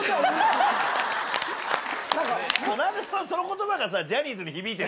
その言葉が。